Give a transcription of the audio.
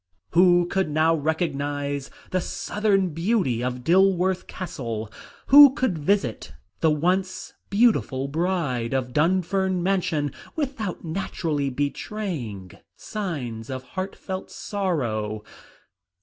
Who could now recognise the "Southern Beauty" of Dilworth Castle? Who could visit the once beautiful bride of Dunfern Mansion without naturally betraying signs of heartfelt sorrow?